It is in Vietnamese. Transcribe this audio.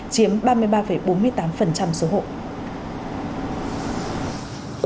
chiếm ba mươi ba bốn mươi tám số hộ